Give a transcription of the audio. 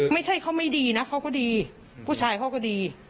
ไม่ใช่เขาไม่ดีนะเขาก็ดีผู้ชายเขาก็ดี